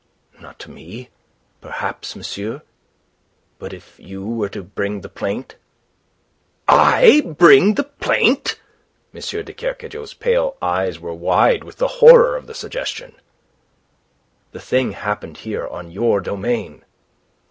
"Not to me, perhaps, Monsieur. But if you were to bring the plaint..." "I bring the plaint?" M. de Kercadiou's pale eyes were wide with horror of the suggestion. "The thing happened here on your domain."